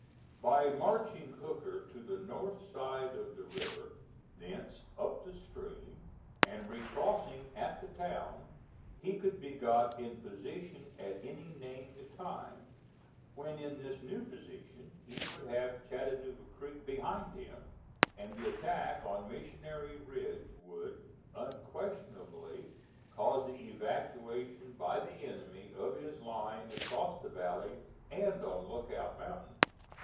By marching Hooker to the north side of the river, thence up the stream, and recrossing at the town, he could be got in position at any named time; when in this new position, he would have Chattanooga Creek behind him, and the attack on Missionary Ridge would unquestionably cause the evacuation by the enemy of his line across the valley and on Lookout Mountain.